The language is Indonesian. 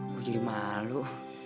gua jadi malu